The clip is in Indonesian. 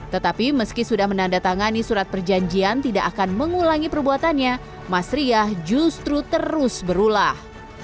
tetapi meski sudah menandatangani surat perjanjian tidak akan mengulangi perbuatannya mas riah justru terus berulah